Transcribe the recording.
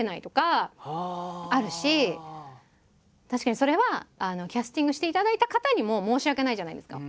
確かにそれはキャスティングしていただいた方にも申し訳ないじゃないですか。